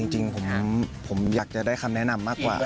จริงผมอยากจะได้คำแนะนำมากกว่า